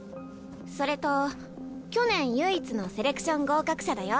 それと去年唯一のセレクション合格者だよ。